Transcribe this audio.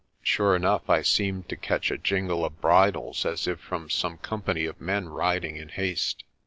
Sure enough, I seemed to catch a jingle of bridles as if from some company of men riding in haste.